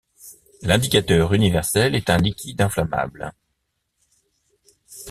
L'indicateur universel est un liquide inflammable.